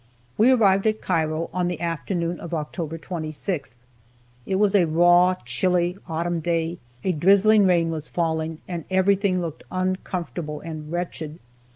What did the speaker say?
We arrived at Cairo on the afternoon of October 26th. It was a raw, chilly, autumn day, a drizzling rain was falling, and everything looked uncomfortable and wretched.